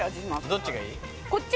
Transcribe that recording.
どっちがいい？